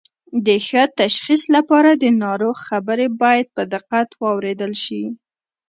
د ښه تشخیص لپاره د ناروغ خبرې باید په دقت واوریدل شي